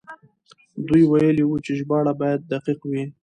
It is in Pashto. دوی ويلي وو چې ژباړه بايد دقيق وي.